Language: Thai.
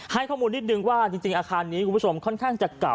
ให้ข้อมูลนิดนึงว่าจริงอาคารนี้คุณผู้ชมค่อนข้างจะเก่า